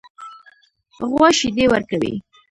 غوا شیدې ورکوي.